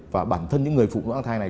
và bản thân những người phụ nữ mang thai này